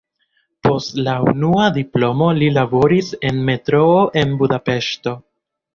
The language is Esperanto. Post la unua diplomo li laboris en metroo en Budapeŝto.